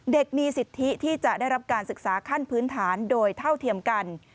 มีสิทธิที่จะได้รับการศึกษาขั้นพื้นฐานโดยเท่าเทียมกัน